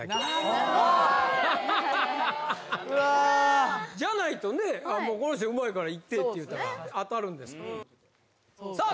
・なるほど・うわじゃないとねこの人うまいからいってって言うたら当たるんですからさあ